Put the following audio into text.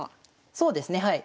そうですねはい。